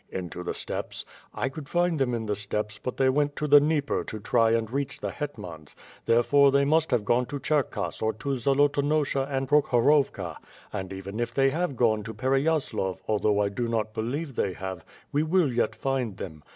^' "Into the steppes?" "I could find them in the steppes, but they went to the Dnieper to try and reach the hetmans — therefore they must have gone to Cherkass or to Zolotonosha and Prokhorovka. .. And even if they have gone to Pereyaslav, although I do not believe they have, we will yet find them.